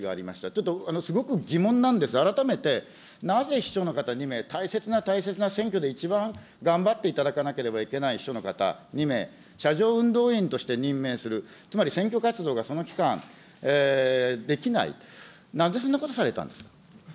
ちょっとすごく疑問なんです、改めてなぜ秘書の方２名、大切な大切な選挙で一番頑張っていただかなければいけない秘書の方２名、車上運動員として任命する、つまり選挙活動がその期間できない、なんでそんなことされたんですか。